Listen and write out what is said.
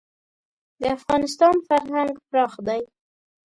د افغانستان فرهنګ پراخ دی.